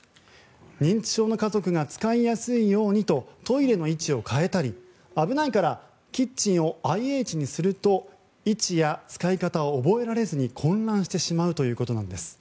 認知症の家族が使いやすいようにトイレの位置を変えたり危ないからキッチンをＩＨにすると位置や使い方を覚えられず混乱してしまうそうです。